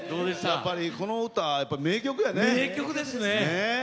やっぱりこの歌、名曲やね。